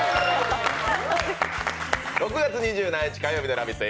６月２７日火曜日の「ラヴィット！」